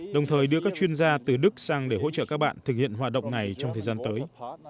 đồng thời đưa các chuyên gia từ đức sang để hỗ trợ các bạn thực hiện hoạt động này trong thời gian tới